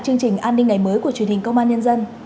chương trình an ninh ngày mới của truyền hình công an nhân dân